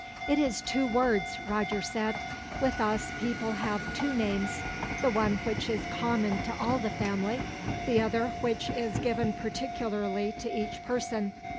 "It is two words," Roger said. "With us, people have two names the one which is common to all the family, the other which is given particularly to each person.